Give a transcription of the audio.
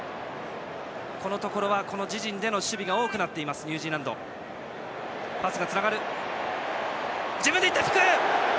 このところは自陣での守備が多いニュージーランドです。